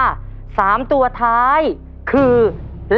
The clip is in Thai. เลขบัตรประจำตัวประชาชนของยายไหมล่ะ